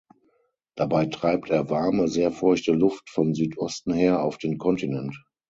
Dabei treibt er warme, sehr feuchte Luft von Südosten her auf den Kontinent.